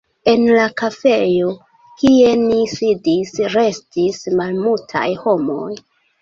En la kafejo, kie ni sidis, restis malmultaj homoj.